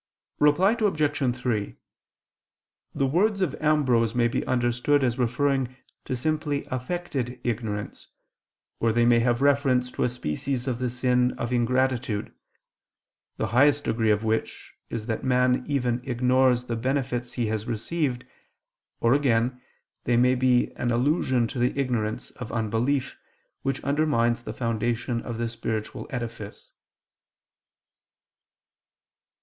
Reply Obj. 3: The words of Ambrose may be understood as referring to simply affected ignorance; or they may have reference to a species of the sin of ingratitude, the highest degree of which is that man even ignores the benefits he has received; or again, they may be an allusion to the ignorance of unbelief, which undermines the foundation of the spiritual edifice.